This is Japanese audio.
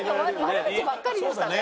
悪口ばっかりでしたね。